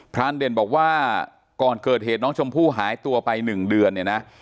รานเด่นบอกว่าก่อนเกิดเหตุน้องชมพู่หายตัวไป๑เดือนเนี่ยนะ